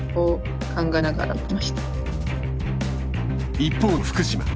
一方の福島。